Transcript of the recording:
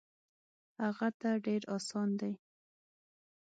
هغه ته ډېر اسان دی.